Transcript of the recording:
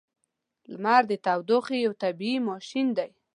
• لمر د تودوخې یو طبیعی ماشین دی.